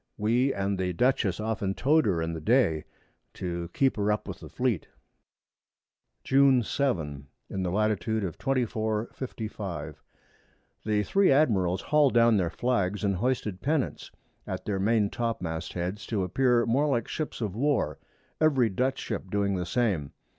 We and the Dutchess often tow'd her in the Day, to keep her up with the Fleet. June 7. In the Lat. of 24°. 55´´. The 3 Admirals hall'd down their Flags, and hoisted Pennants at their Main topmast Heads, to appear more like Ships of War, every Dutch Ship doing the same.